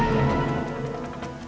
tidak ada apa apa